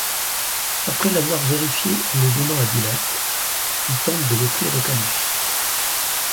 Après l'avoir vérifié en le donnant à Dilat, il tente de l'offrir au calife.